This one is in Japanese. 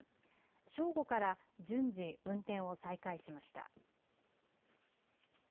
正午から順次運転を再開しました。